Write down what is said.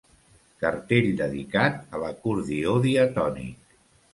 Cartell dedicat a l'acordió diatònic.